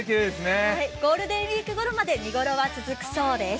ゴールデンウイーク頃まで見頃は続くそうです。